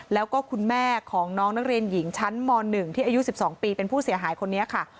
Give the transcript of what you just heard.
แล้วก็คุณแม่ของน้องนักเรียนหญิงชั้นม๑ที่อายุ๑๒ปีเป็นผู้เสียหายคนนี้ค่ะ